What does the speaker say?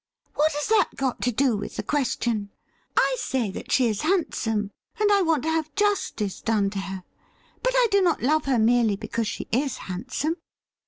'What has that got to do with the question? I say that she is handsome, and I want to have justice done to her ; but I do not love her merely because she is hand some.